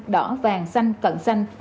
đỏ vàng xanh cận xanh